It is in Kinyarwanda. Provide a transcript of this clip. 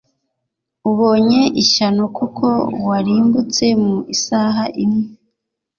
ubonye ishyano kuko warimbutse mu isaha imwe.